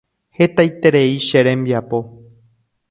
Hetaiterei che rembiapo.